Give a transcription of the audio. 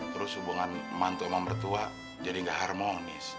terus hubungan mantu sama mertua jadi gak harmonis